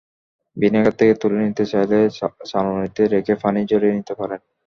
Vinegar থেকে তুলে নিতে চাইলে চালনিতে রেখে পানি ঝরিয়ে নিতে পারেন।